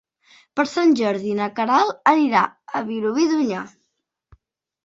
Per Sant Jordi na Queralt anirà a Vilobí d'Onyar.